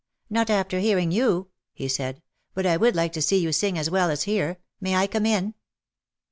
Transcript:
"Not after hearing you," he said. "But I would like to see you sing as well as hear. May I come in?"